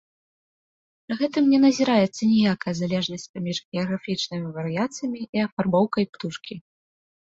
Пры гэтым не назіраецца ніякая залежнасць паміж геаграфічнымі варыяцыямі і афарбоўкай птушкі.